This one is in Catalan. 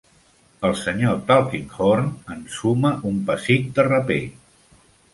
El Sr. Tulkinghorn ensuma un pessic de rapè.